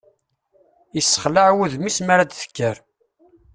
Isexlaɛ wudem-is mi ara d-tekker.